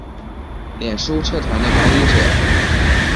脸书社团的管理者